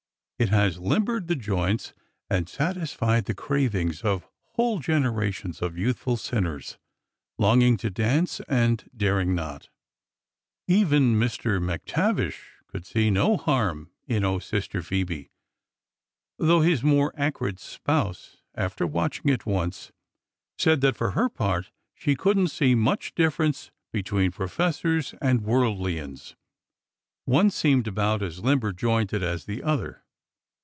It has limbered the joints and satis fied the cravings of whole generations of youthful sin ners longing to dance and daring not. Even Mr. McTavish could see no harm in Oh, Sis ter Phoebe !" though his more acrid spouse, after watch 192 "OH, SISTER PHOEBE!" 193 ing it once, said that " for her part, she could n't see much difference between professors and worldlians,— one seemed about as limber jointed as the other."